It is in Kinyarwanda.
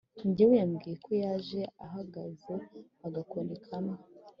ngewe yambwiye ko yaje ahagaze agakoni kamwe